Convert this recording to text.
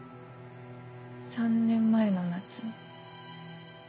３年前の夏。